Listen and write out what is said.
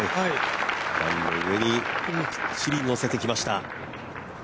段の上にきっちりのせてきました。